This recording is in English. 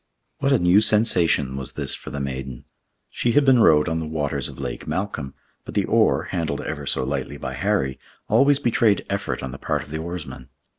What a new sensation was this for the maiden! She had been rowed on the waters of Lake Malcolm; but the oar, handled ever so lightly by Harry, always betrayed effort on the part of the oarsman.